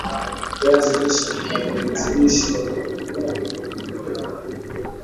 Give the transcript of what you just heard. viazi lishe vina virutubisho lukuki kwa mwanadam